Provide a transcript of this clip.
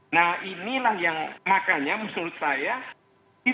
nah inilah yang makanya menurut saya itu merupakan sop dari pemerintah china